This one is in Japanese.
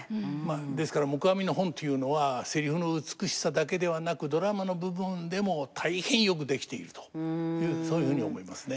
ですから黙阿弥の本というのはセリフの美しさだけではなくドラマの部分でも大変よく出来ているとそういうふうに思いますね。